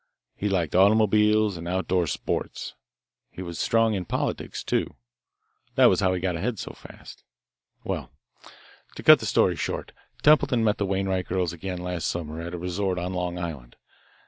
He liked automobiles and outdoor sports, and he was strong in politics, too. That was how he got ahead so fast. "Well, to cut the story short, Templeton met the Wainwright girls again last summer at a resort on Long Island.